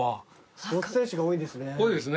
スポーツ選手が多いですね。